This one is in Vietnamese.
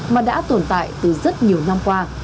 mà đã tồn tại từ rất nhiều năm qua